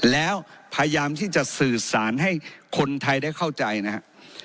แล้วพยายามที่จะสื่อสารให้คนไทยได้เข้าใจนะครับ